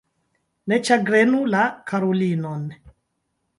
Ne ĉagrenu la karulinon.